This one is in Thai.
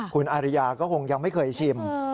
คุณอาริยาก็คงยังไม่เคยชิม